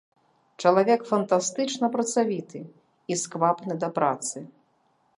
Чалавек фантастычна працавіты і сквапны да працы.